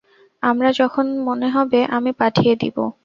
আমার যখন মনে হবে আমি পাঠিয়ে দিব।